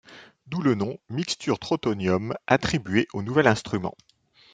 D'où le nom, Mixturtrautonium, attribué au nouvel instrument.